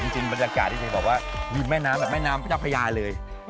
จริงบรรยากาศที่ฉันบอกว่ามีแม่น้ำแบบแม่น้ำพญาประยายเลย